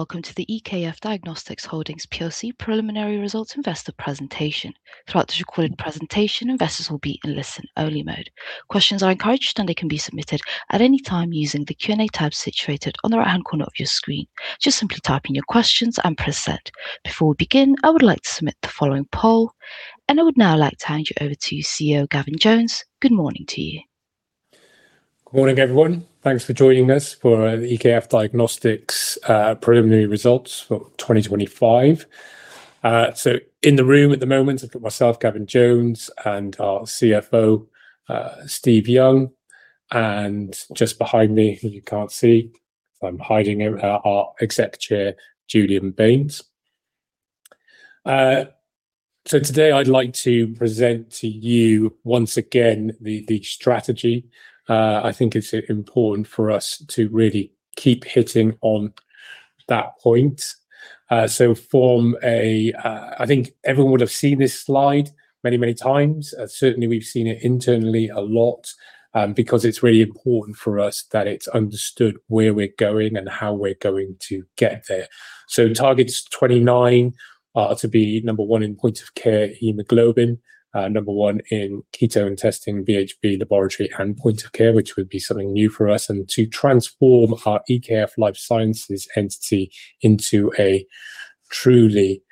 Welcome to the EKF Diagnostics Holdings plc preliminary results investor presentation. Throughout this recorded presentation, investors will be in listen-only mode. Questions are encouraged, and they can be submitted at any time using the Q&A tab situated on the right-hand corner of your screen. Just simply type in your questions and press Send. Before we begin, I would like to submit the following poll, and I would now like to hand you over to CEO Gavin Jones. Good morning to you. Good morning, everyone. Thanks for joining us for the EKF Diagnostics preliminary results for 2025. In the room at the moment, I've got myself, Gavin Jones, and our CFO, Steve Young, and just behind me, who you can't see, I'm hiding him, our Executive Chairman, Julian Baines. Today I'd like to present to you once again the strategy. I think it's important for us to really keep hitting on that point. I think everyone would have seen this slide many times. Certainly we've seen it internally a lot, because it's really important for us that it's understood where we're going and how we're going to get there. Targets 2029 to be number one in point-of-care hemoglobin, number one in ketone testing, BHB laboratory and point-of-care, which would be something new for us, and to transform our EKF Life Sciences entity into a truly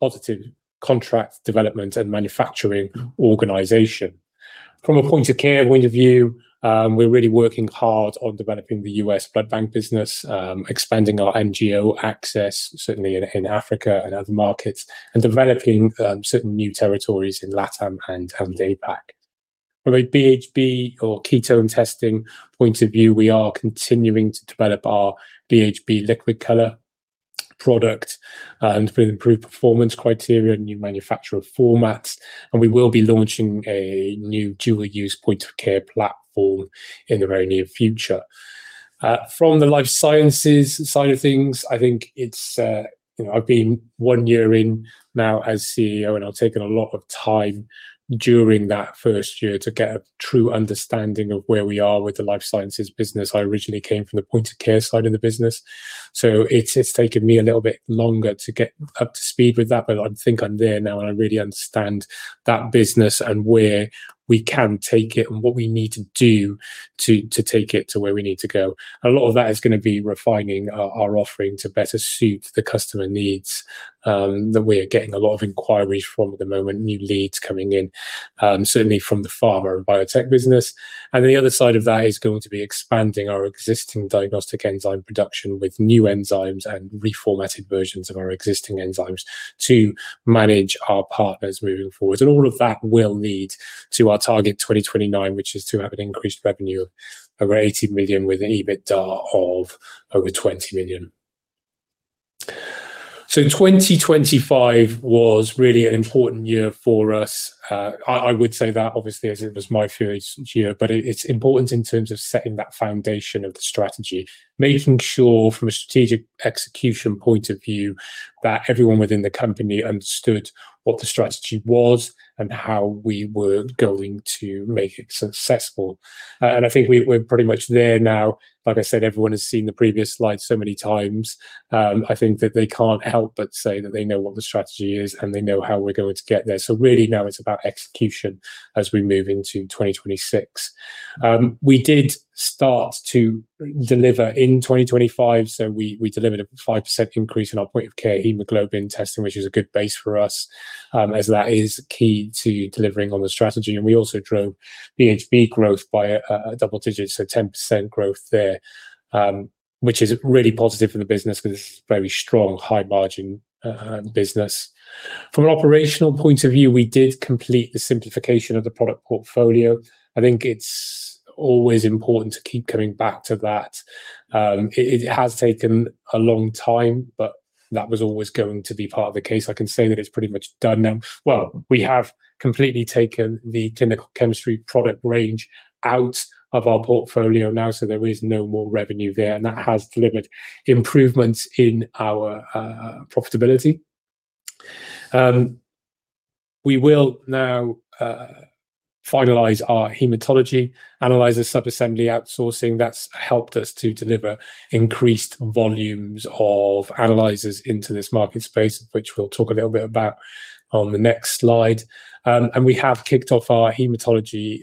positive contract development and manufacturing organization. From a point-of-care point of view, we're really working hard on developing the U.S. blood bank business, expanding our NGO access, certainly in Africa and other markets, and developing certain new territories in LATAM and APAC. From a BHB or ketone testing point of view, we are continuing to develop our BHB LiquiColor product with improved performance criteria, new manufacturing formats, and we will be launching a new dual-use point-of-care platform in the very near future. From the Life Sciences side of things, I think it's, you know, I've been one year in now as CEO, and I've taken a lot of time during that first year to get a true understanding of where we are with the Life Sciences business. I originally came from the Point-of-Care side of the business, so it's taken me a little bit longer to get up to speed with that, but I think I'm there now, and I really understand that business and where we can take it and what we need to do to take it to where we need to go. A lot of that is gonna be refining our offering to better suit the customer needs that we are getting a lot of inquiries from at the moment, new leads coming in, certainly from the pharma and biotech business. The other side of that is going to be expanding our existing diagnostic enzyme production with new enzymes and reformatted versions of our existing enzymes to manage our partners moving forward. All of that will lead to our target 2029, which is to have an increased revenue over 80 million with an EBITDA of over 20 million. 2025 was really an important year for us. I would say that obviously as it was my first year, but it's important in terms of setting that foundation of the strategy, making sure from a strategic execution point of view that everyone within the company understood what the strategy was and how we were going to make it successful. I think we're pretty much there now. Like I said, everyone has seen the previous slide so many times, I think that they can't help but say that they know what the strategy is, and they know how we're going to get there. Really now it's about execution as we move into 2026. We did start to deliver in 2025, so we delivered a 5% increase in our point-of-care hemoglobin testing, which is a good base for us, as that is key to delivering on the strategy. We also drove BHB growth by a double digit, so 10% growth there, which is really positive for the business because it's very strong, high margin business. From an operational point of view, we did complete the simplification of the product portfolio. I think it's always important to keep coming back to that. It has taken a long time, but that was always going to be part of the case. I can say that it's pretty much done now. Well, we have completely taken the clinical chemistry product range out of our portfolio now, so there is no more revenue there, and that has delivered improvements in our profitability. We will now finalize our hematology analyzer sub-assembly outsourcing that's helped us to deliver increased volumes of analyzers into this market space, which we'll talk a little bit about on the next slide. We have kicked off our hematology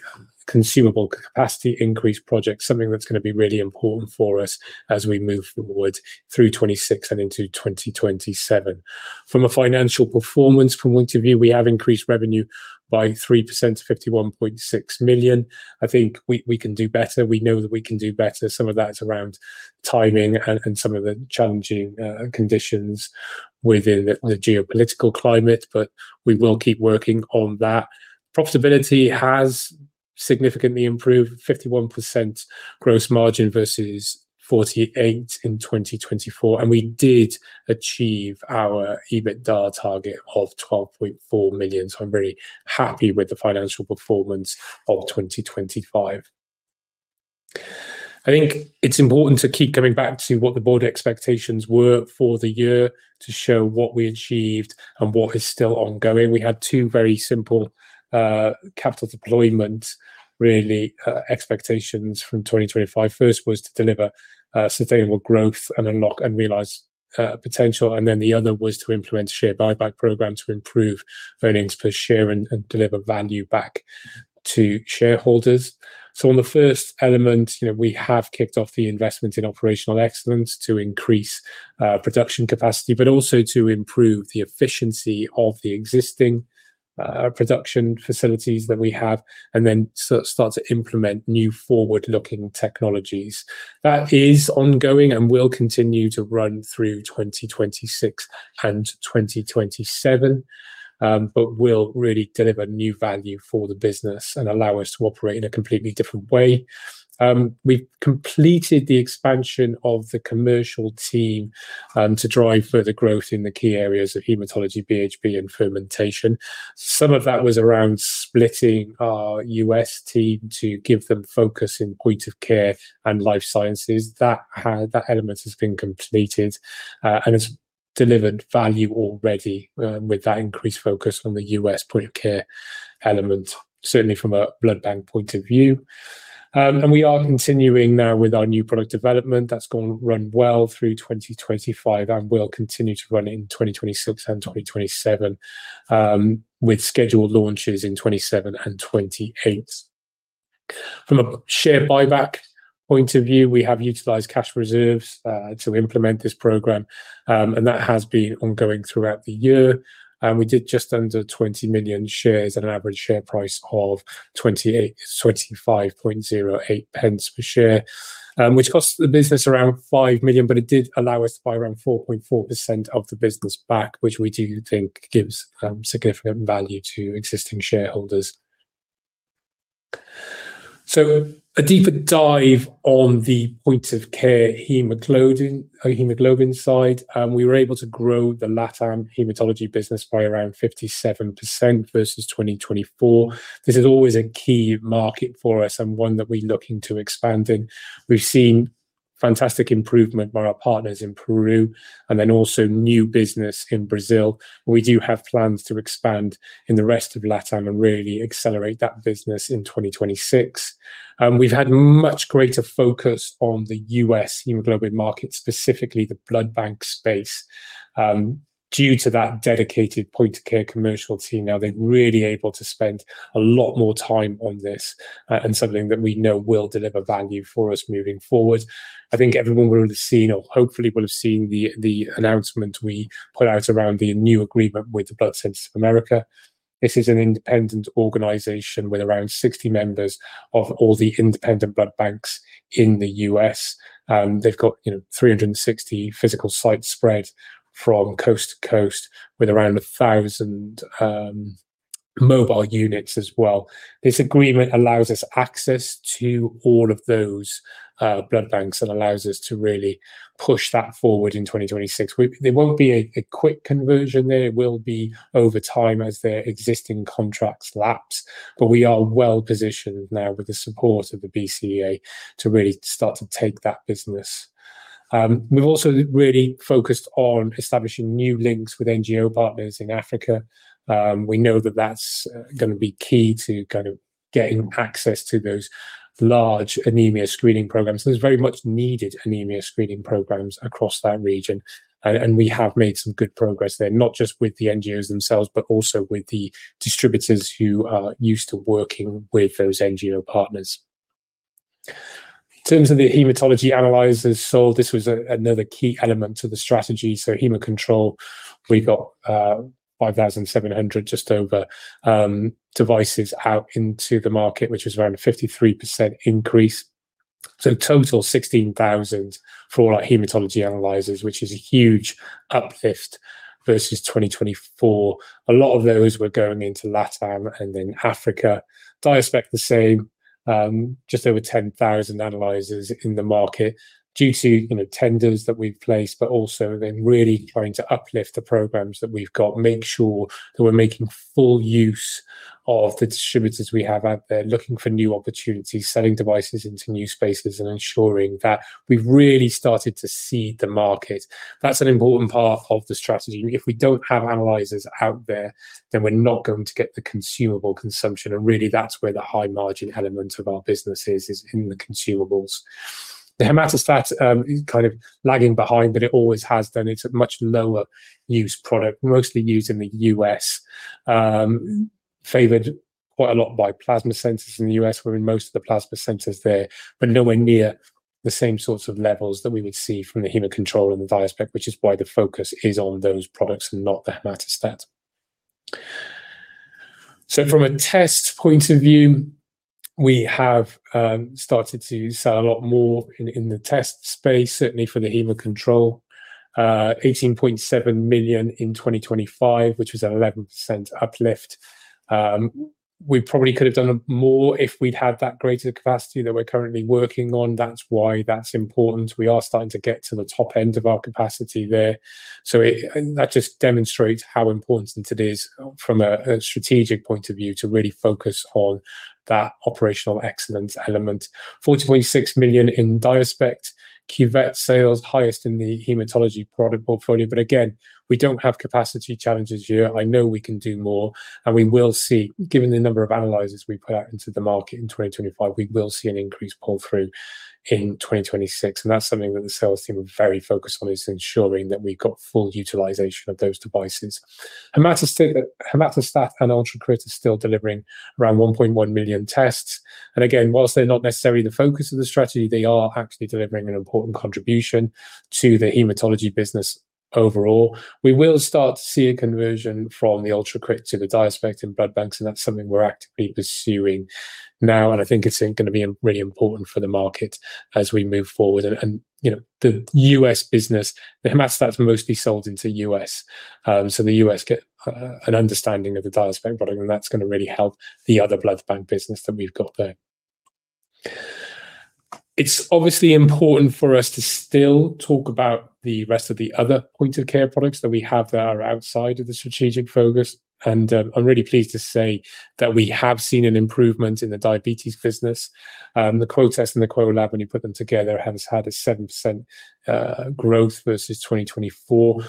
consumable capacity increase project, something that's gonna be really important for us as we move forward through 2026 and into 2027. From a financial performance point of view, we have increased revenue by 3% to 51.6 million. I think we can do better. We know that we can do better. Some of that is around timing and some of the challenging conditions within the geopolitical climate, but we will keep working on that. Profitability has significantly improved, 51% gross margin versus 48% in 2024, and we did achieve our EBITDA target of 12.4 million. I'm very happy with the financial performance of 2025. I think it's important to keep coming back to what the board expectations were for the year to show what we achieved and what is still ongoing. We had two very simple capital deployment, really, expectations from 2025. First was to deliver sustainable growth and unlock and realize potential, and then the other was to implement a share buyback program to improve earnings per share and deliver value back to shareholders. On the first element, you know, we have kicked off the investment in operational excellence to increase production capacity, but also to improve the efficiency of the existing production facilities that we have and then start to implement new forward-looking technologies. That is ongoing and will continue to run through 2026 and 2027, but will really deliver new value for the business and allow us to operate in a completely different way. We've completed the expansion of the commercial team to drive further growth in the key areas of hematology, BHB, and fermentation. Some of that was around splitting our U.S. team to give them focus in point of care and life sciences. That element has been completed, and it's delivered value already with that increased focus on the U.S. point of care element, certainly from a blood bank point of view. We are continuing now with our new product development. That's run well through 2025 and will continue to run in 2026 and 2027, with scheduled launches in 2027 and 2028. From a share buyback point of view, we have utilized cash reserves to implement this program, and that has been ongoing throughout the year. We did just under 20 million shares at an average share price of 25.08 pence per share, which cost the business around 5 million, but it did allow us to buy around 4.4% of the business back, which we do think gives significant value to existing shareholders. A deeper dive on the point of care hemoglobin side, we were able to grow the LATAM hematology business by around 57% versus 2024. This is always a key market for us and one that we're looking to expand in. We've seen fantastic improvement by our partners in Peru and then also new business in Brazil. We do have plans to expand in the rest of LATAM and really accelerate that business in 2026. We've had much greater focus on the U.S. hemoglobin market, specifically the blood bank space. Due to that dedicated point-of-care commercial team now, they're really able to spend a lot more time on this, and something that we know will deliver value for us moving forward. I think everyone will have seen or hopefully will have seen the announcement we put out around the new agreement with the Blood Centers of America. This is an independent organization with around 60 members of all the independent blood banks in the U.S. They've got, you know, 360 physical sites spread from coast to coast with around 1,000 mobile units as well. This agreement allows us access to all of those blood banks and allows us to really push that forward in 2026. There won't be a quick conversion there. It will be over time as their existing contracts lapse. We are well-positioned now with the support of the BCA to really start to take that business. We've also really focused on establishing new links with NGO partners in Africa. We know that that's gonna be key to kind of getting access to those large anemia screening programs. Those very much needed anemia screening programs across that region. We have made some good progress there, not just with the NGOs themselves, but also with the distributors who are used to working with those NGO partners. In terms of the hematology analyzers sold, this was another key element to the strategy. Hemo Control, we got just over 5,700 devices out into the market, which is around a 53% increase. Total 16,000 for our hematology analyzers, which is a huge uplift versus 2024. A lot of those were going into LATAM and then Africa. DiaSpect the same, just over 10,000 analyzers in the market due to, you know, tenders that we've placed, but also then really trying to uplift the programs that we've got, make sure that we're making full use of the distributors we have out there, looking for new opportunities, selling devices into new spaces and ensuring that we've really started to seed the market. That's an important part of the strategy. If we don't have analyzers out there, then we're not going to get the consumable consumption, and really that's where the high margin element of our business is in the consumables. The HemataStat is kind of lagging behind, but it always has done. It's a much lower used product, mostly used in the U.S. Favored quite a lot by plasma centers in the U.S. We're in most of the plasma centers there, but nowhere near the same sorts of levels that we would see from the Hemo Control and the DiaSpect, which is why the focus is on those products and not the HemataStat. From a test point of view, we have started to sell a lot more in the test space, certainly for the Hemo Control. Eighteen point seven million in 2025, which was an 11% uplift. We probably could have done more if we'd had that greater capacity that we're currently working on. That's why that's important. We are starting to get to the top end of our capacity there. That just demonstrates how important it is from a strategic point of view to really focus on that operational excellence element. 40.6 million in DiaSpect cuvette sales, highest in the hematology product portfolio. Again, we don't have capacity challenges here. I know we can do more, and we will see, given the number of analyzers we put out into the market in 2025, we will see an increased pull-through in 2026. That's something that the sales team are very focused on, is ensuring that we've got full utilization of those devices. HemataStat and UltraCrit are still delivering around 1.1 million tests. Again, while they're not necessarily the focus of the strategy, they are actually delivering an important contribution to the hematology business overall. We will start to see a conversion from the UltraCrit to the DiaSpect in blood banks, and that's something we're actively pursuing now, and I think it's going to be really important for the market as we move forward. The U.S. business, the HemataStat's mostly sold into the U.S. So the U.S. gets an understanding of the DiaSpect product, and that's gonna really help the other blood bank business that we've got there. It's obviously important for us to still talk about the rest of the other point of care products that we have that are outside of the strategic focus. I'm really pleased to say that we have seen an improvement in the diabetes business. The Quo-Test and the Quo-Lab, when you put them together, has had a 7% growth versus 2024.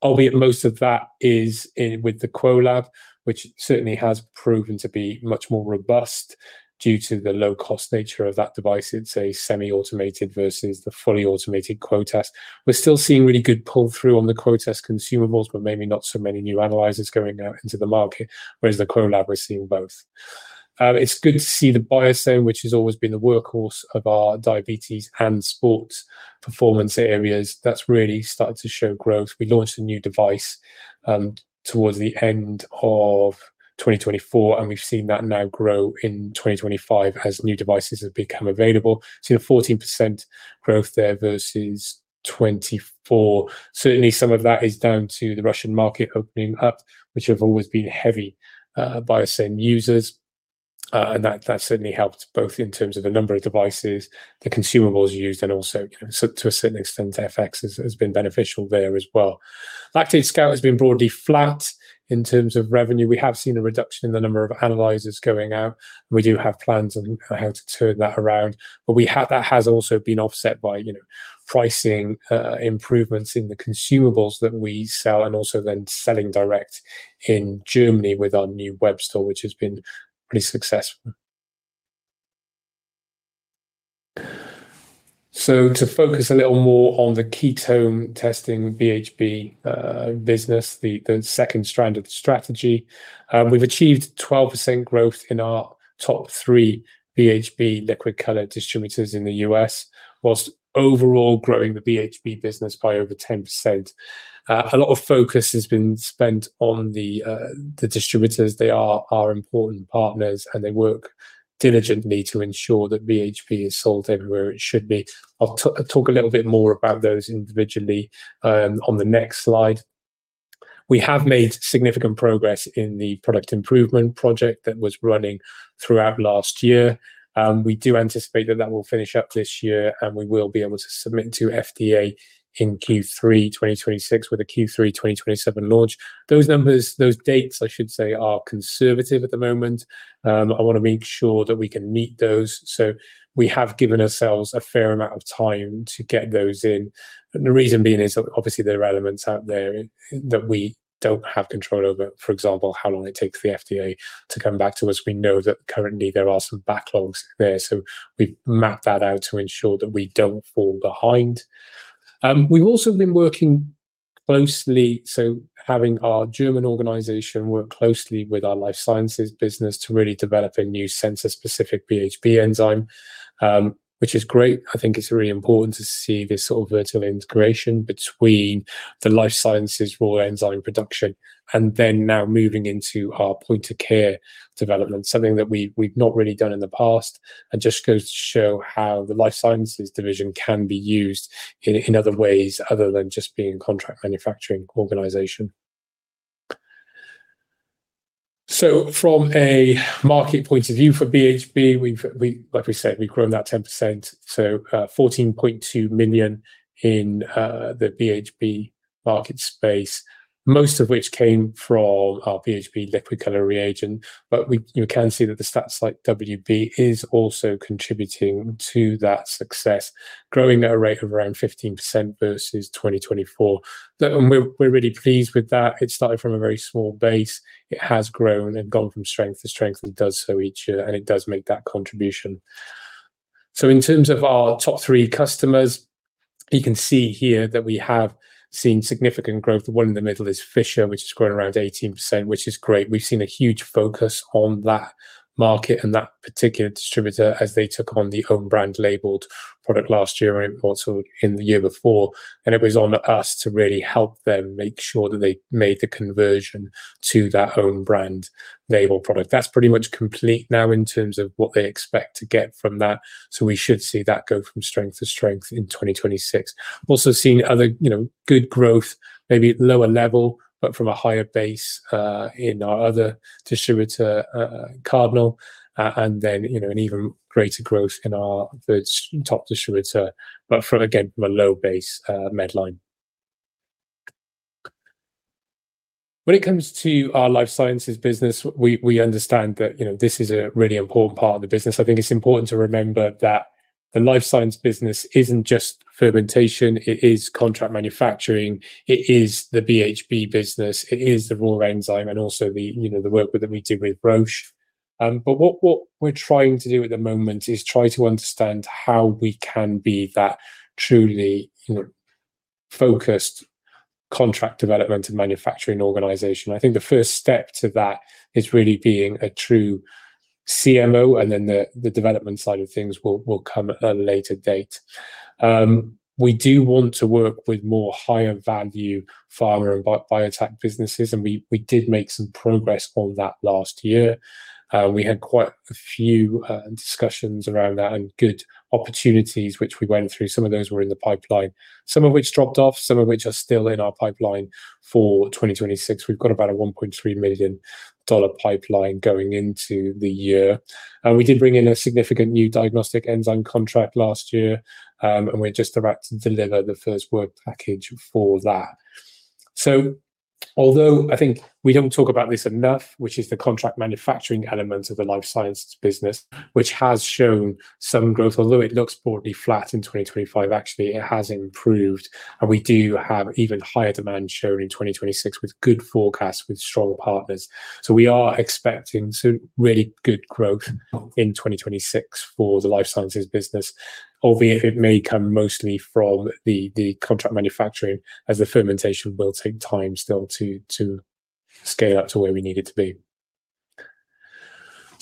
Albeit most of that is with the Quo-Lab, which certainly has proven to be much more robust due to the low-cost nature of that device. It's a semi-automated versus the fully automated Quo-Test. We're still seeing really good pull-through on the Quo-Test consumables, but maybe not so many new analyzers going out into the market, whereas the Quo-Lab, we're seeing both. It's good to see the Biosen, which has always been the workhorse of our diabetes and sports performance areas. That's really started to show growth. We launched a new device towards the end of 2024, and we've seen that now grow in 2025 as new devices have become available. Seeing a 14% growth there versus 2024. Certainly, some of that is down to the Russian market opening up, which have always been heavy BioZone users, and that certainly helped both in terms of the number of devices, the consumables used, and also kind of to a certain extent, FX has been beneficial there as well. Lactate Scout has been broadly flat in terms of revenue. We have seen a reduction in the number of analyzers going out, and we do have plans on how to turn that around. That has also been offset by, you know, pricing improvements in the consumables that we sell and also then selling direct in Germany with our new web store, which has been pretty successful. To focus a little more on the ketone testing BHB business, the second strand of the strategy. We've achieved 12% growth in our top three BHB LiquiColor distributors in the U.S., while overall growing the BHB business by over 10%. A lot of focus has been spent on the distributors. They are our important partners, and they work diligently to ensure that BHB is sold everywhere it should be. I'll talk a little bit more about those individually on the next slide. We have made significant progress in the product improvement project that was running throughout last year. We do anticipate that will finish up this year, and we will be able to submit to FDA in Q3 2026 with a Q3 2027 launch. Those numbers, those dates, I should say, are conservative at the moment. I wanna make sure that we can meet those. We have given ourselves a fair amount of time to get those in. The reason being is obviously there are elements out there that we don't have control over. For example, how long it takes the FDA to come back to us. We know that currently there are some backlogs there, so we've mapped that out to ensure that we don't fall behind. We've also been working closely, so having our German organization work closely with our life sciences business to really develop a new sensor-specific BHB enzyme, which is great. I think it's really important to see this sort of vertical integration between the life sciences for enzyme production and then now moving into our point of care development, something that we've not really done in the past. It just goes to show how the life sciences division can be used in other ways other than just being contract manufacturing organization. From a market point of view for BHB, like we said, we've grown that 10%, so fourteen point two million in the BHB market space, most of which came from our BHB LiquiColor reagent. But you can see that the STAT-Site WB is also contributing to that success, growing at a rate of around 15% versus 2024. We're really pleased with that. It started from a very small base. It has grown and gone from strength to strength, and it does so each year, and it does make that contribution. In terms of our top three customers, you can see here that we have seen significant growth. The one in the middle is Fisher, which has grown around 18%, which is great. We've seen a huge focus on that market and that particular distributor as they took on the own brand labeled product last year and also in the year before. It was on us to really help them make sure that they made the conversion to that home brand label product. That's pretty much complete now in terms of what they expect to get from that, so we should see that go from strength to strength in 2026. Also seeing other, you know, good growth, maybe at lower level, but from a higher base, in our other distributor, Cardinal. you know, an even greater growth in our third top distributor, but from, again, from a low base, Medline. When it comes to our Life Sciences business, we understand that, you know, this is a really important part of the business. I think it's important to remember that the Life Sciences business isn't just fermentation, it is contract manufacturing, it is the BHB business, it is the raw enzyme, and also the, you know, the work that we do with Roche. But what we're trying to do at the moment is try to understand how we can be that truly, you know, focused contract development and manufacturing organization. I think the first step to that is really being a true CMO, and then the development side of things will come at a later date. We do want to work with more higher value pharma and biotech businesses, and we did make some progress on that last year. We had quite a few discussions around that and good opportunities which we went through. Some of those were in the pipeline, some of which dropped off, some of which are still in our pipeline for 2026. We've got about a $1.3 million pipeline going into the year. We did bring in a significant new diagnostic enzyme contract last year, and we're just about to deliver the first work package for that. Although I think we don't talk about this enough, which is the contract manufacturing element of the life sciences business, which has shown some growth, although it looks broadly flat in 2025, actually it has improved, and we do have even higher demand shown in 2026 with good forecasts with strong partners. We are expecting some really good growth in 2026 for the life sciences business, albeit it may come mostly from the contract manufacturing as the fermentation will take time still to scale up to where we need it to be.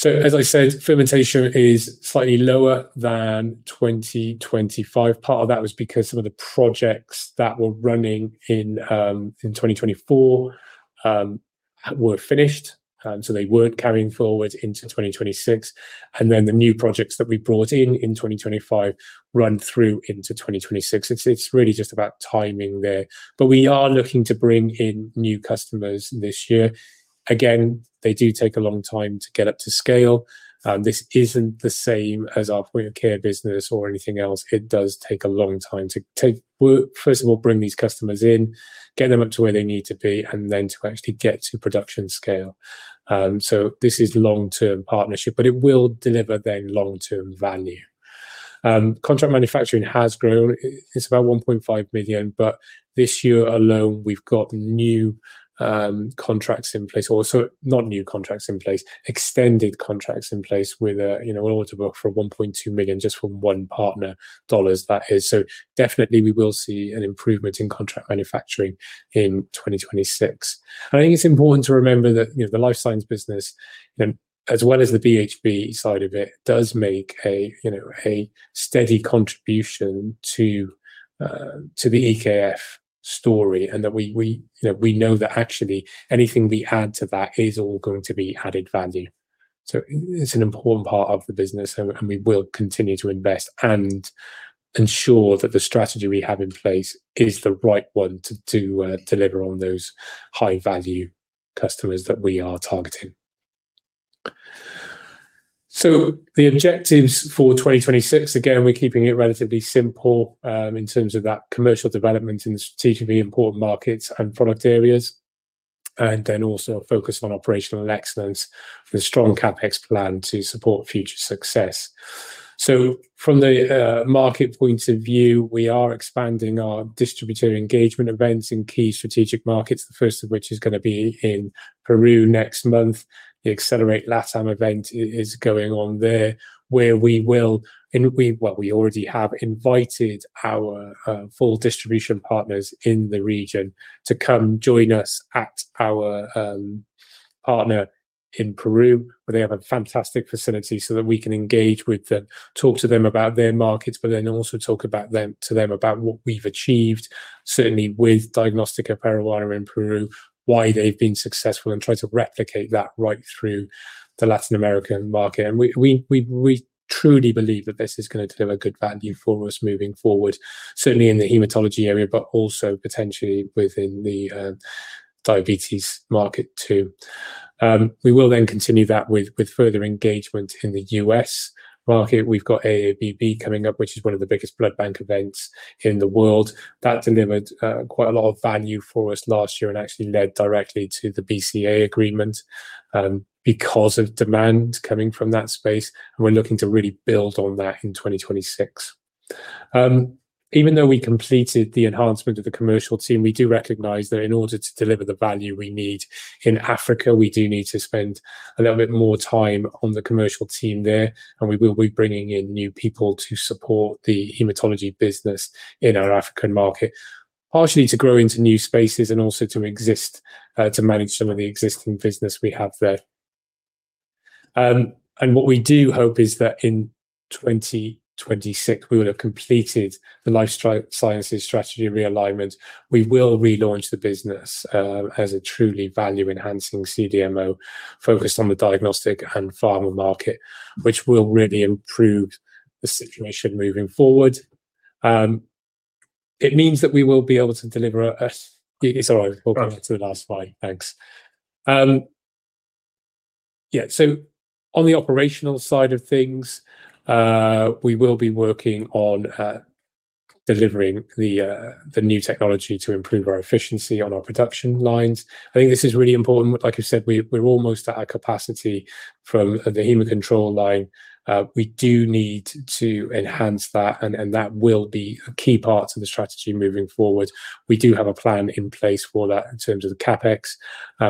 As I said, fermentation is slightly lower than 2025. Part of that was because some of the projects that were running in 2024 were finished, so they weren't carrying forward into 2026. The new projects that we brought in in 2025 run through into 2026. It's really just about timing there. We are looking to bring in new customers this year. Again, they do take a long time to get up to scale. This isn't the same as our point-of-care business or anything else. It does take a long time. First of all, bring these customers in, get them up to where they need to be, and then to actually get to production scale. This is long-term partnership, but it will deliver then long-term value. Contract manufacturing has grown. It's about 1.5 million, but this year alone we've got new contracts in place. Sorry, not new contracts in place, extended contracts in place with, you know, in order to work for $1.2 million just from one partner, dollars that is. Definitely we will see an improvement in contract manufacturing in 2026. I think it's important to remember that, you know, the life sciences business, as well as the BHB side of it, does make a, you know, a steady contribution to the EKF story, and that we, you know, we know that actually anything we add to that is all going to be added value. It's an important part of the business and we will continue to invest and ensure that the strategy we have in place is the right one to deliver on those high-value customers that we are targeting. The objectives for 2026, again, we're keeping it relatively simple in terms of that commercial development in strategically important markets and product areas. Also a focus on operational excellence with a strong CapEx plan to support future success. From the market point of view, we are expanding our distributor engagement events in key strategic markets, the first of which is gonna be in Peru next month. The Accelerate LATAM event is going on there, where we will. Well, we already have invited our full distribution partners in the region to come join us at our partner in Peru, where they have a fantastic facility so that we can engage with them, talk to them about their markets, but then also talk to them about what we've achieved, certainly with Diagnóstica Peruana in Peru, why they've been successful, and try to replicate that right through the Latin American market. We truly believe that this is gonna deliver good value for us moving forward, certainly in the hematology area, but also potentially within the diabetes market too. We will then continue that with further engagement in the U.S. market. We've got AABB coming up, which is one of the biggest blood bank events in the world. That delivered quite a lot of value for us last year and actually led directly to the BCA agreement, because of demand coming from that space, and we're looking to really build on that in 2026. Even though we completed the enhancement of the commercial team, we do recognize that in order to deliver the value we need in Africa, we do need to spend a little bit more time on the commercial team there, and we will be bringing in new people to support the hematology business in our African market, partially to grow into new spaces and also to assist to manage some of the existing business we have there. What we do hope is that in 2026, we will have completed the life sciences strategy realignment. We will relaunch the business as a truly value-enhancing CDMO focused on the diagnostic and pharma market, which will really improve the situation moving forward. It's all right. We'll come to the last slide. Thanks. On the operational side of things, we will be working on delivering the new technology to improve our efficiency on our production lines. I think this is really important. Like you said, we're almost at our capacity from the Hemo Control line. We do need to enhance that, and that will be a key part of the strategy moving forward. We do have a plan in place for that in terms of the CapEx.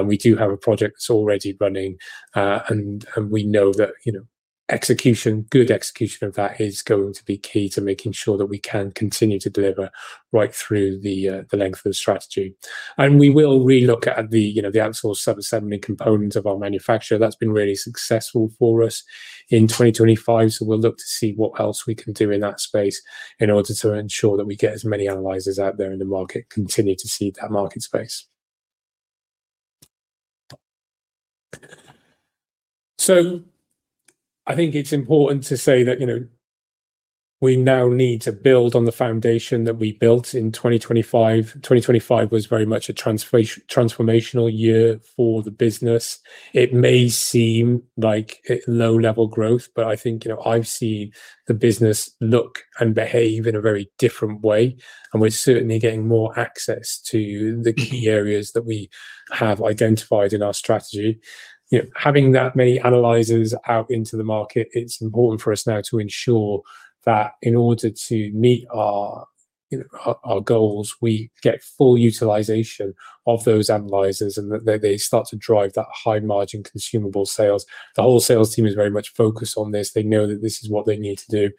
We do have a project that's already running, and we know that, you know, execution, good execution of that is going to be key to making sure that we can continue to deliver right through the length of the strategy. We will re-look at the, you know, the outsourced subassembly component of our manufacture. That's been really successful for us in 2025, we'll look to see what else we can do in that space in order to ensure that we get as many analyzers out there in the market, continue to seed that market space. I think it's important to say that, you know, we now need to build on the foundation that we built in 2025. 2025 was very much a transformational year for the business. It may seem like a low level growth, but I think, you know, I've seen the business look and behave in a very different way, and we're certainly getting more access to the key areas that we have identified in our strategy. You know, having that many analyzers out into the market, it's important for us now to ensure that in order to meet our, you know, our goals, we get full utilization of those analyzers and that they start to drive that high margin consumable sales. The whole sales team is very much focused on this. They know that this is what they need to do.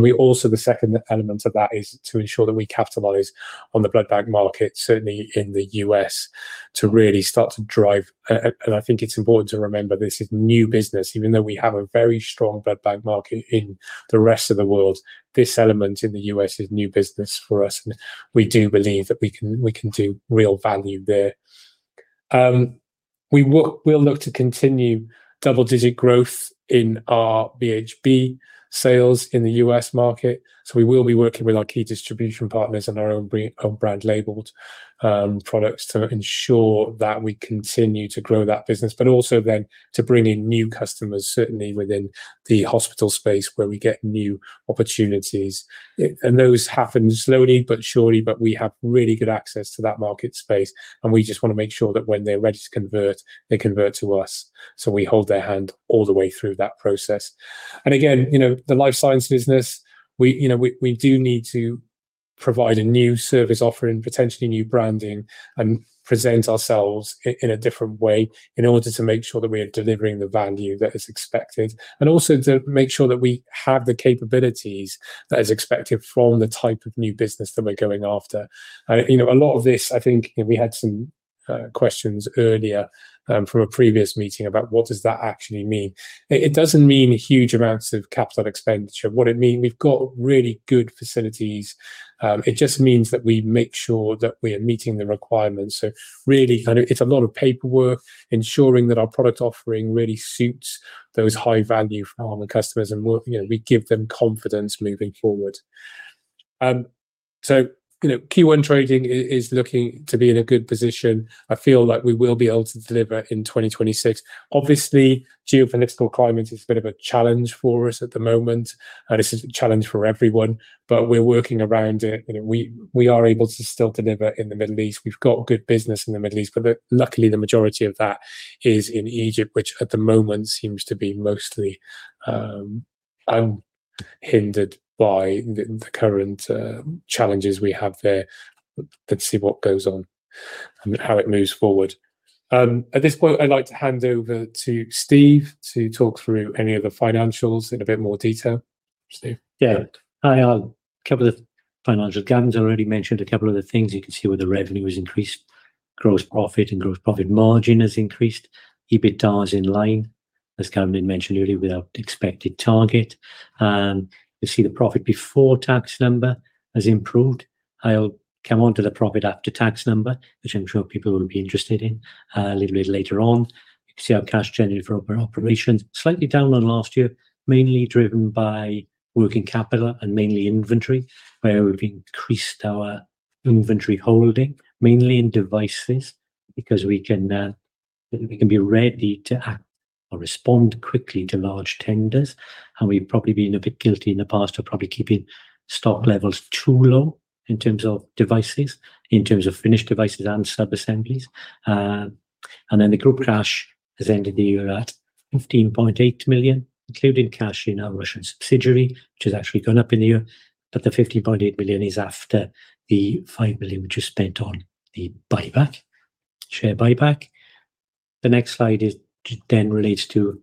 We also, the second element of that is to ensure that we capitalize on the blood bag market, certainly in the U.S., to really start to drive. I think it's important to remember this is new business. Even though we have a very strong blood bag market in the rest of the world, this element in the U.S. is new business for us, and we do believe that we can do real value there. We'll look to continue double-digit growth in our BHB sales in the U.S. market. We will be working with our key distribution partners on our own brand labeled products to ensure that we continue to grow that business, but also then to bring in new customers, certainly within the hospital space where we get new opportunities. And those happen slowly but surely, but we have really good access to that market space, and we just wanna make sure that when they're ready to convert, they convert to us. We hold their hand all the way through that process. Again, you know, the life science business, we do need to provide a new service offering, potentially new branding, and present ourselves in a different way in order to make sure that we are delivering the value that is expected, and also to make sure that we have the capabilities that is expected from the type of new business that we're going after. You know, a lot of this, I think we had some questions earlier from a previous meeting about what does that actually mean. It doesn't mean huge amounts of capital expenditure. What it means, we've got really good facilities. It just means that we make sure that we are meeting the requirements. Really kind of it's a lot of paperwork ensuring that our product offering really suits those high value pharma customers, and you know, we give them confidence moving forward. You know, Q1 trading is looking to be in a good position. I feel like we will be able to deliver in 2026. Obviously, geopolitical climate is a bit of a challenge for us at the moment, and this is a challenge for everyone, but we're working around it. You know, we are able to still deliver in the Middle East. We've got good business in the Middle East, but luckily the majority of that is in Egypt, which at the moment seems to be mostly unhindered by the current challenges we have there. Let's see what goes on and how it moves forward. At this point, I'd like to hand over to Steve to talk through any of the financials in a bit more detail. Steve? Yeah. A couple of the financial guidance I already mentioned. A couple other things you can see where the revenue has increased. Gross profit and gross profit margin has increased. EBITDA is in line, as Gavin mentioned earlier, with our expected target. You see the profit before tax number has improved. I'll come on to the profit after tax number, which I'm sure people will be interested in, a little bit later on. You can see our cash generated from operations slightly down on last year, mainly driven by working capital and mainly inventory, where we've increased our inventory holding, mainly in devices, because we can be ready to act or respond quickly to large tenders. We've probably been a bit guilty in the past of probably keeping stock levels too low in terms of devices, in terms of finished devices and subassemblies. The group cash has ended the year at 15.8 million, including cash in our Russian subsidiary, which has actually gone up in the year. The 15.8 million is after the 5 million which was spent on the buyback, share buyback. The next slide then relates to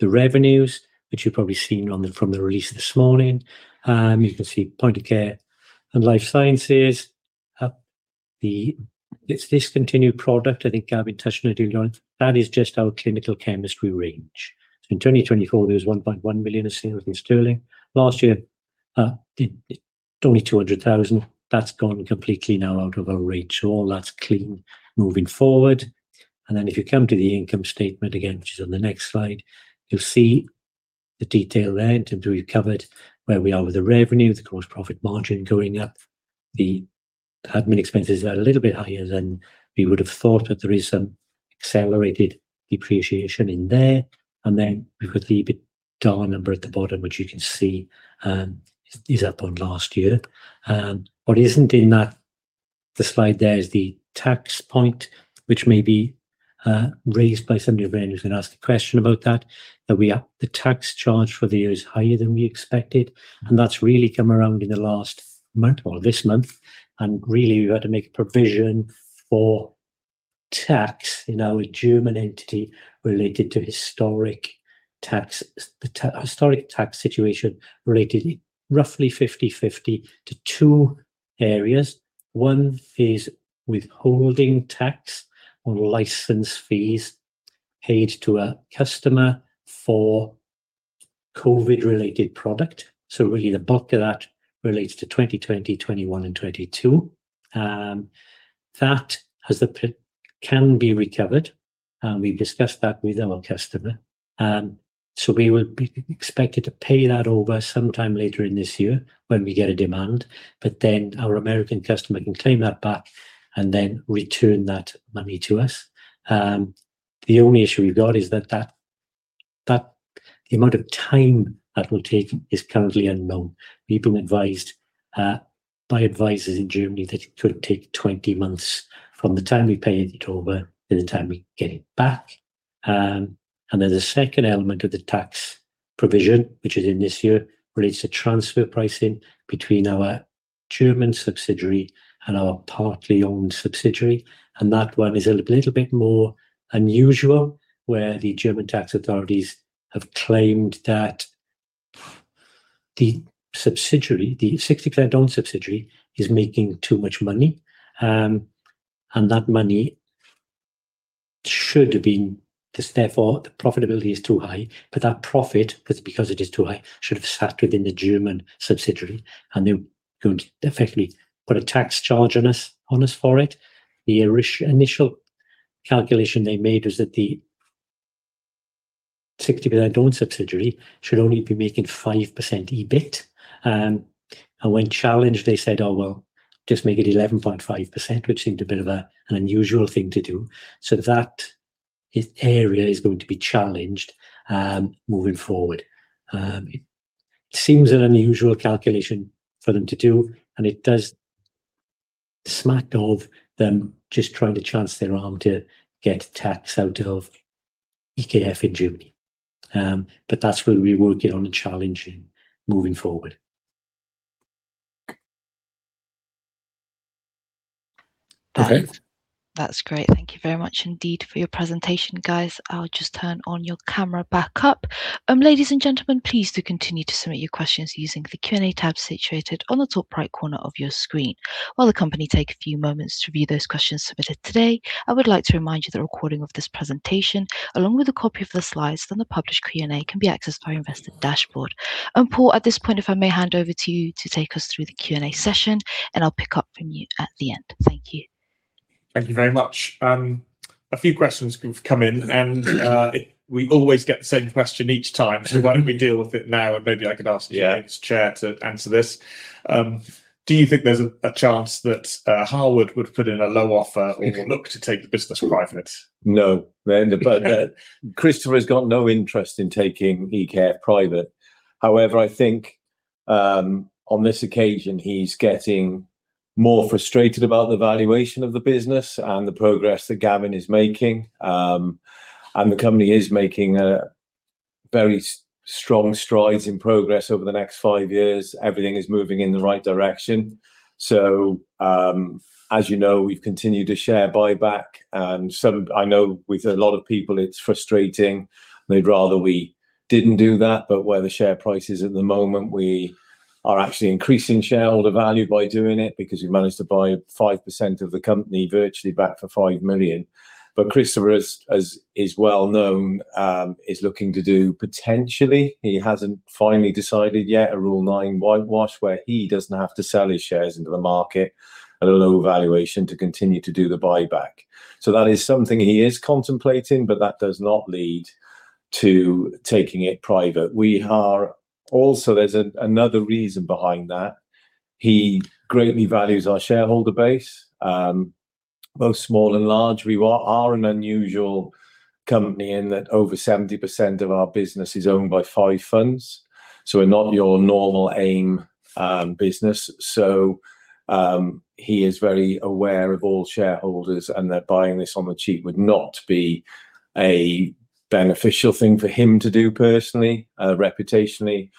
the revenues, which you've probably seen from the release this morning. You can see Point-of-Care and Life Sciences, this discontinued product, I think Gavin touched on earlier. That is just our clinical chemistry range. In 2024, there was 1.1 million of sales in sterling. Last year, only 200,000. That's gone completely now out of our range. All that's clean moving forward. If you come to the income statement again, which is on the next slide, you'll see the detail there in terms we've covered where we are with the revenue, the gross profit margin going up. The admin expenses are a little bit higher than we would have thought, but there is some accelerated depreciation in there. We've got the EBITDA number at the bottom, which you can see, is up on last year. What isn't in that, the slide there is the tax point, which may be raised by some of you when you can ask a question about that. The tax charge for the year is higher than we expected, and that's really come around in the last month or this month. Really we had to make a provision for tax in our German entity related to historic tax situation related roughly 50/50 to two areas. One is withholding tax on license fees paid to a customer for COVID-related product. Really the bulk of that relates to 2020, 2021 and 2022. That can be recovered, and we've discussed that with our customer. We will be expected to pay that over some time later in this year when we get a demand, but then our American customer can claim that back and then return that money to us. The only issue we've got is that the amount of time that will take is currently unknown. We've been advised by advisors in Germany that it could take 20 months from the time we paid it over to the time we get it back. The second element of the tax provision, which is in this year, relates to transfer pricing between our German subsidiary and our partly owned subsidiary. That one is a little bit more unusual where the German tax authorities have claimed that the subsidiary, the 60% owned subsidiary is making too much money, and that money should have been thus, therefore, the profitability is too high. That profit, because it is too high, should have sat within the German subsidiary, and they're going to effectively put a tax charge on us, on us for it. Their initial calculation they made was that the 60% owned subsidiary should only be making 5% EBIT. When challenged they said, "Well, just make it 11.5%," which seemed a bit of an unusual thing to do. That area is going to be challenged moving forward. It seems an unusual calculation for them to do, and it does smack of them just trying to chance their arm to get tax out of EKF in Germany. That's where we're working on challenging moving forward. Perfect. That's great. Thank you very much indeed for your presentation, guys. I'll just turn on your camera back up. Ladies and gentlemen, please do continue to submit your questions using the Q&A tab situated on the top right corner of your screen. While the company take a few moments to review those questions submitted today, I would like to remind you that a recording of this presentation, along with a copy of the slides and the published Q&A, can be accessed by your investor dashboard. Paul, at this point, if I may hand over to you to take us through the Q&A session, and I'll pick up from you at the end. Thank you. Thank you very much. A few questions have come in and we always get the same question each time. Why don't we deal with it now, and maybe I could ask Baines, Chair, to answer this. Do you think there's a chance that Harwood would put in a low offer or even look to take the business private? No. Christopher has got no interest in taking EKF private. However, I think on this occasion, he's getting more frustrated about the valuation of the business and the progress that Gavin is making. And the company is making very strong strides in progress over the next five years. Everything is moving in the right direction. As you know, we've continued a share buyback. I know with a lot of people it's frustrating. They'd rather we didn't do that, but where the share price is at the moment, we are actually increasing shareholder value by doing it because we managed to buy 5% of the company virtually back for 5 million. Christopher, as is well known, is looking to do potentially, he hasn't finally decided yet, a Rule nine whitewash where he doesn't have to sell his shares into the market at a low valuation to continue to do the buyback. That is something he is contemplating, but that does not lead to taking it private. Also, there's another reason behind that. He greatly values our shareholder base, both small and large. We are an unusual company in that over 70% of our business is owned by five funds. We're not your normal AIM business. He is very aware of all shareholders and that buying this on the cheap would not be a beneficial thing for him to do personally, reputationally.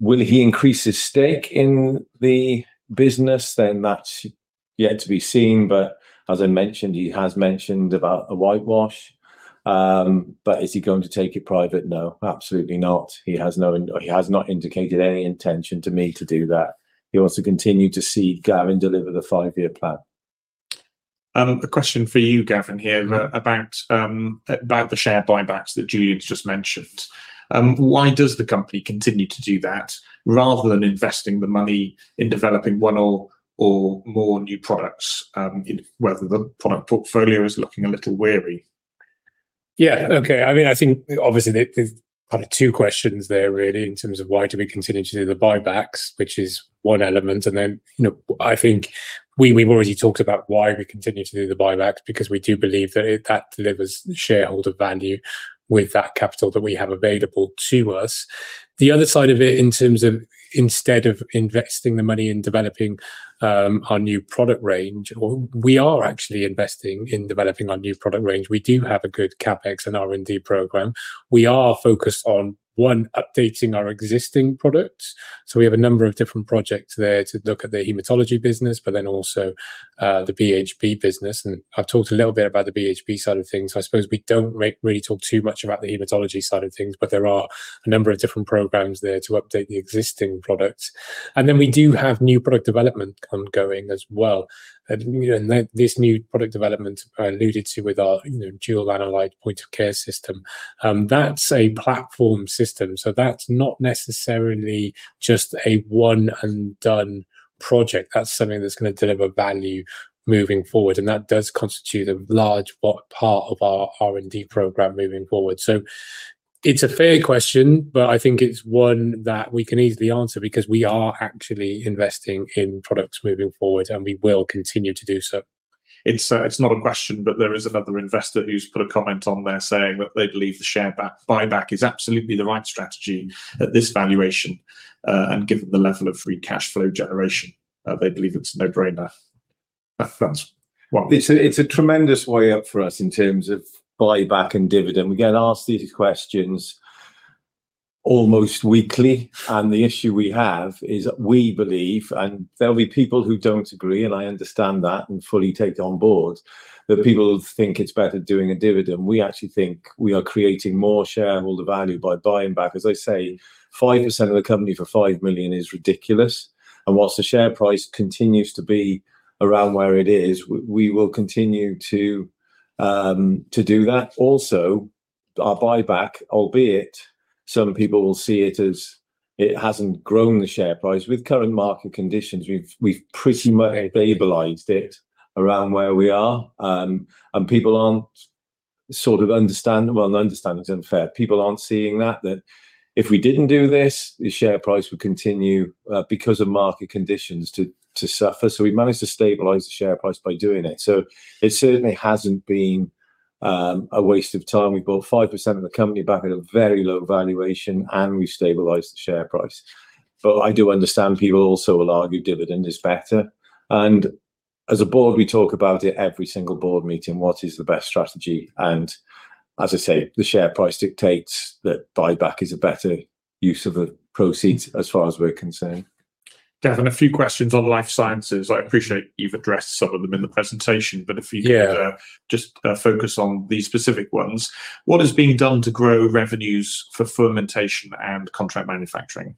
Will he increase his stake in the business? That's yet to be seen. As I mentioned, he has mentioned about a whitewash. Is he going to take it private? No, absolutely not. He has not indicated any intention to me to do that. He wants to continue to see Gavin deliver the five-year plan. A question for you, Gavin, here about the share buybacks that Julian's just mentioned. Why does the company continue to do that rather than investing the money in developing one or more new products, you know, whether the product portfolio is looking a little weary? Yeah. Okay. I mean, I think obviously there's kind of two questions there really in terms of why do we continue to do the buybacks, which is one element, and then, you know, I think we've already talked about why we continue to do the buybacks because we do believe that that delivers shareholder value with that capital that we have available to us. The other side of it in terms of instead of investing the money in developing our new product range, well, we are actually investing in developing our new product range. We do have a good CapEx and R&D program. We are focused on, one, updating our existing products. So we have a number of different projects there to look at the hematology business, but then also, the BHB business. I've talked a little bit about the BHB side of things. I suppose we don't really talk too much about the hematology side of things, but there are a number of different programs there to update the existing products. We do have new product development ongoing as well. This new product development I alluded to with our, you know, dual analyte point of care system, that's a platform system, so that's not necessarily just a one-and-done project. That's something that's gonna deliver value moving forward, and that does constitute a large part of our R&D program moving forward. It's a fair question, but I think it's one that we can easily answer because we are actually investing in products moving forward, and we will continue to do so. It's not a question, but there is another investor who's put a comment on there saying that they believe the share buyback is absolutely the right strategy at this valuation, and given the level of free cash flow generation, they believe it's a no-brainer. That's. Well, it's a tremendous way up for us in terms of buyback and dividend. We get asked these questions almost weekly. The issue we have is we believe, and there'll be people who don't agree, and I understand that and fully take it on board, that people think it's better doing a dividend. We actually think we are creating more shareholder value by buying back, as I say, 5% of the company for 5 million is ridiculous. While the share price continues to be around where it is, we will continue to do that. Also our buyback, albeit some people will see it as it hasn't grown the share price, with current market conditions we've pretty much stabilized it around where we are. People aren't sort of understand. Well, understand is unfair. People aren't seeing that if we didn't do this, the share price would continue because of market conditions to suffer. We managed to stabilize the share price by doing it. It certainly hasn't been a waste of time. We bought 5% of the company back at a very low valuation, and we stabilized the share price. I do understand people also will argue dividend is better. As a board, we talk about it every single board meeting, what is the best strategy. As I say, the share price dictates that buyback is a better use of the proceeds as far as we're concerned. Gavin, a few questions on life sciences. I appreciate you've addressed some of them in the presentation, but if you could. Yeah Just focus on these specific ones. What is being done to grow revenues for fermentation and contract manufacturing?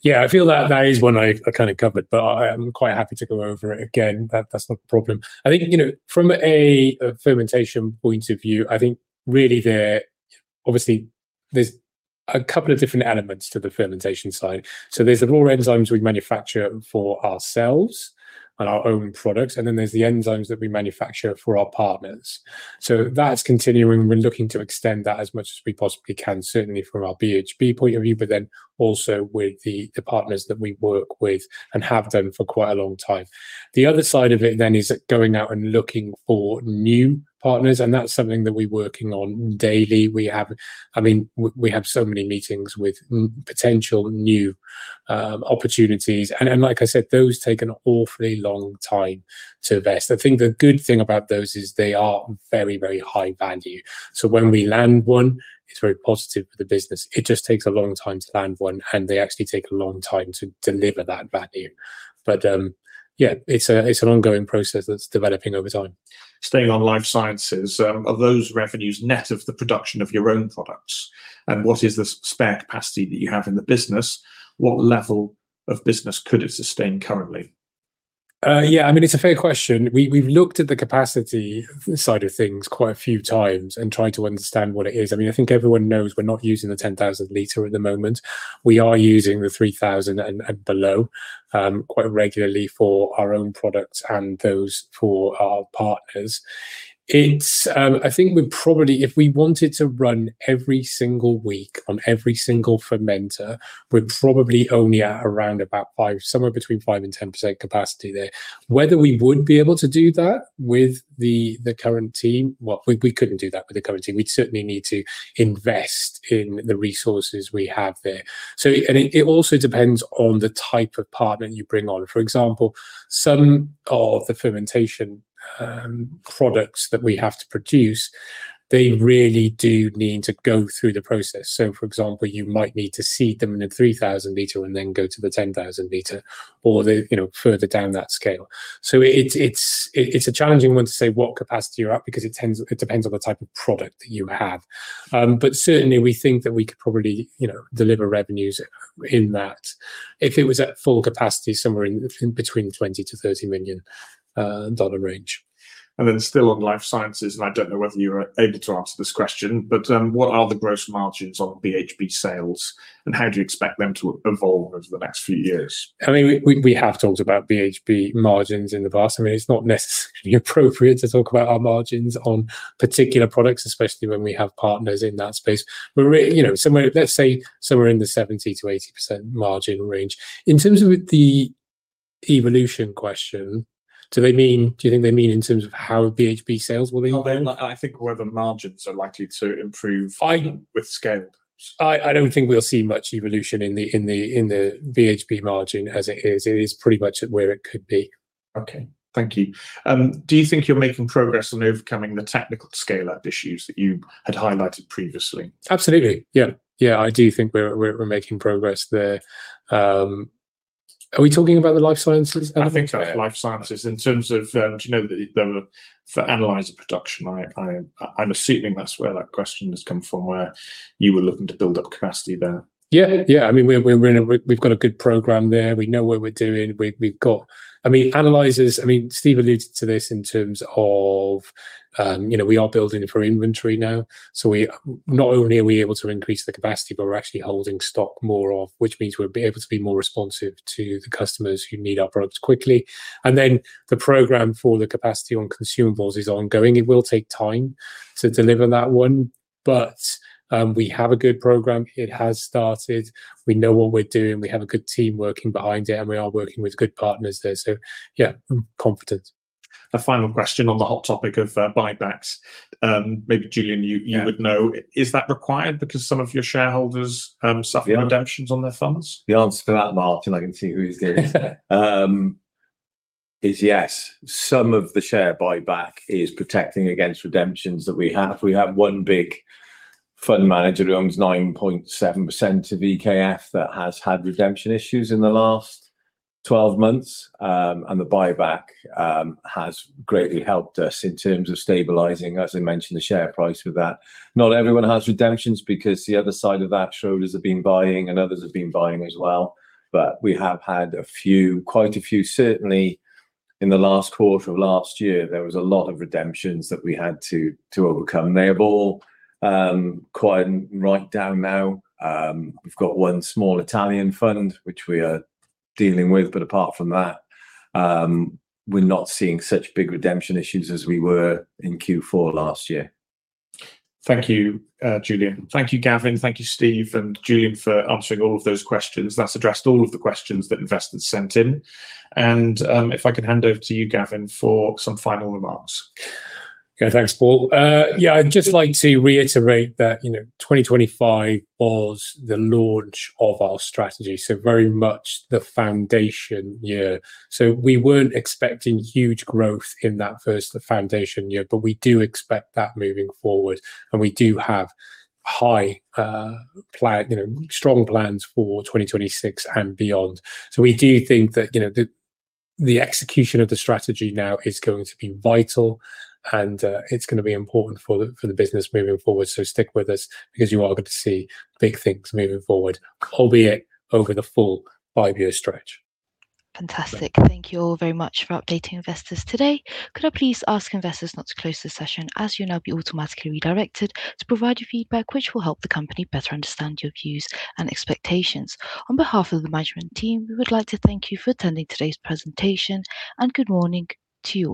Yeah, I feel that is one I kinda covered, but I'm quite happy to go over it again. That's not the problem. I think, you know, from a fermentation point of view, I think really there obviously there's a couple of different elements to the fermentation side. There's the raw enzymes we manufacture for ourselves and our own products, and then there's the enzymes that we manufacture for our partners. That's continuing. We're looking to extend that as much as we possibly can, certainly from our BHB point of view, but then also with the partners that we work with and have done for quite a long time. The other side of it is going out and looking for new partners, and that's something that we're working on daily. We have so many meetings with potential new opportunities, and like I said, those take an awfully long time to invest. I think the good thing about those is they are very, very high value. When we land one, it's very positive for the business. It just takes a long time to land one, and they actually take a long time to deliver that value. It's an ongoing process that's developing over time. Staying on life sciences, are those revenues net of the production of your own products? What is the spare capacity that you have in the business? What level of business could it sustain currently? Yeah, I mean, it's a fair question. We've looked at the capacity side of things quite a few times and tried to understand what it is. I mean, I think everyone knows we're not using the 10,000l at the moment. We are using the 3,000 and below quite regularly for our own products and those for our partners. I think we probably, if we wanted to run every single week on every single fermenter, we're probably only at around about 5%, somewhere between 5% and 10% capacity there. Whether we would be able to do that with the current team, well, we couldn't do that with the current team. We'd certainly need to invest in the resources we have there. It also depends on the type of partner you bring on. For example, some of the fermentation products that we have to produce, they really do need to go through the process. For example, you might need to seed them in a 3,000l and then go to the 10,000l or the, you know, further down that scale. It's a challenging one to say what capacity you're at because it depends on the type of product that you have. Certainly we think that we could probably, you know, deliver revenues in that. If it was at full capacity, somewhere in between $20 million-$30 million dollar range. Still on Life Sciences, I don't know whether you are able to answer this question, but what are the gross margins on BHB sales, and how do you expect them to evolve over the next few years? I mean, we have talked about BHB margins in the past. I mean, it's not necessarily appropriate to talk about our margins on particular products, especially when we have partners in that space. We're, you know, somewhere, let's say somewhere in the 70%-80% margin range. In terms of the evolution question, do they mean, do you think they mean in terms of how BHB sales will evolve? No, I think whether margins are likely to improve with scale. I don't think we'll see much evolution in the BHB margin as it is. It is pretty much where it could be. Okay. Thank you. Do you think you're making progress on overcoming the technical scale-up issues that you had highlighted previously? Absolutely. Yeah. Yeah, I do think we're making progress there. Are we talking about the life sciences aspect there? I think Life Sciences in terms of analyzer production. I'm assuming that's where that question has come from, where you were looking to build up capacity there. Yeah. Yeah. I mean, we're in a we've got a good program there. We know what we're doing. I mean, analyzers, I mean, Steve alluded to this in terms of, you know, we are building it for inventory now. Not only are we able to increase the capacity, but we're actually holding more stock of which means we'll be able to be more responsive to the customers who need our products quickly. Then the program for the capacity on consumables is ongoing. It will take time to deliver that one, but we have a good program. It has started. We know what we're doing. We have a good team working behind it, and we are working with good partners there. Yeah, I'm confident. A final question on the hot topic of buybacks. Maybe Julian you Yeah. Is that required because some of your shareholders suffer redemptions on their funds? The answer to that, Martin, is yes. I can see who's doing it. Some of the share buyback is protecting against redemptions that we have. We have one big fund manager who owns 9.7% of EKF that has had redemption issues in the last 12 months. The buyback has greatly helped us in terms of stabilizing, as I mentioned, the share price with that. Not everyone has redemptions because the other side of that, shareholders have been buying and others have been buying as well. We have had a few, quite a few. Certainly in the last quarter of last year, there was a lot of redemptions that we had to overcome. They have all quieted right down now. We've got one small Italian fund which we are dealing with, but apart from that, we're not seeing such big redemption issues as we were in Q4 last year. Thank you, Julian. Thank you, Gavin. Thank you, Steve and Julian for answering all of those questions. That's addressed all of the questions that investors sent in. If I could hand over to you, Gavin, for some final remarks. Okay. Thanks, Paul. Yeah, I'd just like to reiterate that, you know, 2025 was the launch of our strategy, so very much the foundation year. We weren't expecting huge growth in that first foundation year, but we do expect that moving forward, and we do have high plan, you know, strong plans for 2026 and beyond. We do think that, you know, the execution of the strategy now is going to be vital and, it's gonna be important for the business moving forward. Stick with us because you are going to see big things moving forward, albeit over the full five-year stretch. Fantastic. Thank you all very much for updating investors today. Could I please ask investors not to close this session, as you'll now be automatically redirected to provide your feedback which will help the company better understand your views and expectations. On behalf of the management team, we would like to thank you for attending today's presentation, and good morning to you all.